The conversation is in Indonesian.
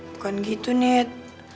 bukan gitu nek